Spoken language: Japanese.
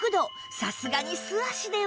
さすがに素足では